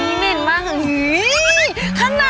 อีเมนมาก